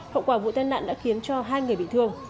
hậu quả vụ tên nặng đã khiến cho hai người bị thương